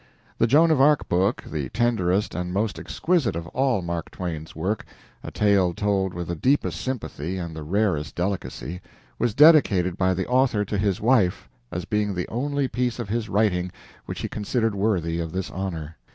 The "Joan of Arc" book, the tenderest and most exquisite of all Mark Twain's work a tale told with the deepest sympathy and the rarest delicacy was dedicated by the author to his wife, as being the only piece of his writing which he considered worthy of this honor.